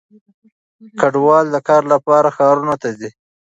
کډوال د کار لپاره ښارونو ته ځي.